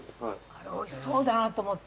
あれおいしそうだなと思って。